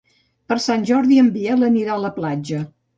Per Sant Jordi en Biel anirà a la platja.